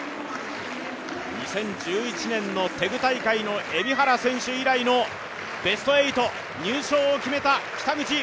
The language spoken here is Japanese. ２０１１年のテグ大会の海老原選手以来のベスト８、入賞を決めた北口。